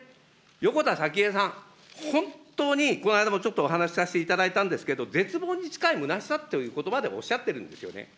横田早紀江さん、本当にこの間もちょっとお話しさせていただいたんですけど、絶望に近いむなしさということばでおっしゃってるんですよね。